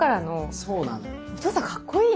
そうなのよ。